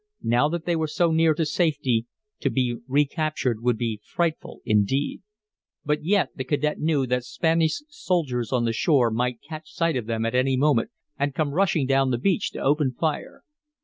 Now that they were so near to safety, to be recaptured would be frightful indeed. But yet the cadet knew that Spanish soldiers on the shore might catch sight of them at any moment, and come rushing down the beach to open fire.